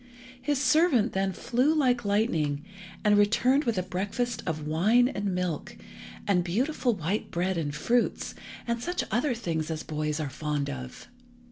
His servant then flew like lightning, and returned with a breakfast of wine and milk, and beautiful white bread and fruits, and such other things as boys are fond of.